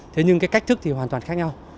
thế nhưng cách thức thì hoàn toàn khác nhau